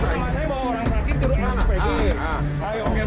saya mau orang sakit turut anak